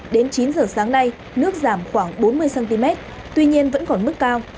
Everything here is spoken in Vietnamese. đến chín giờ sáng nay nước giảm khoảng bốn mươi cm tuy nhiên vẫn còn mức cao